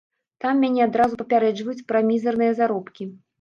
Там мяне адразу папярэджваюць пра мізэрныя заробкі.